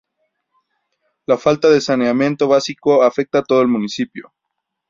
La falta de saneamiento básico afecta a todo el municipio.